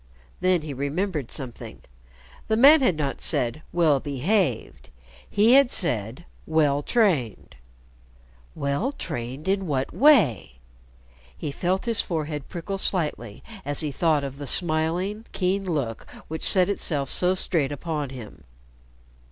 Then he remembered something. The man had not said "well behaved," he had said "well trained." Well trained in what way? He felt his forehead prickle slightly as he thought of the smiling, keen look which set itself so straight upon him.